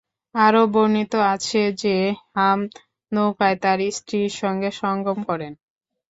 আরো বর্ণিত আছে যে, হাম নৌকায় তার স্ত্রীর সঙ্গে সঙ্গম করেন।